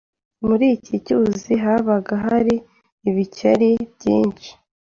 Muri iki cyuzi habaga hari ibikeri byinshi.